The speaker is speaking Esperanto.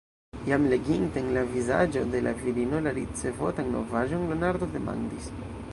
Jam leginte en la vizaĝo de la virino la ricevotan novaĵon, Leonardo demandis: